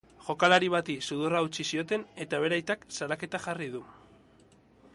Jokalari bati sudurra hautsi zioten, eta bere aitak salaketa jarri du.